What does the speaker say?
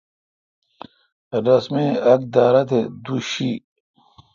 رس می اک دارہ تے دوُشی